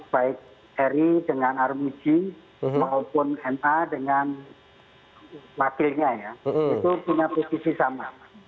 baik eri dengan armuji maupun ma dengan wakilnya ya itu punya posisi sama